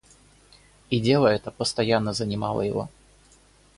И дело это постоянно занимало его.